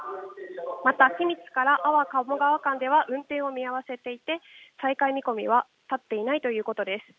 また、君津から安房鴨川間で運転を見合わせていて、再開見込みは立っていないということです。